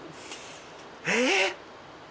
えっ！？